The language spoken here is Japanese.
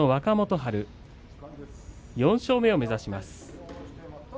春４勝目を目指します。